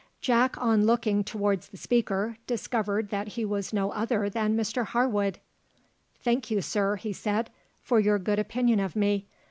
Jack on looking towards the speaker discovered that he was no other than Mr Harwood. "Thank you, sir," he said, "for your good opinion of me.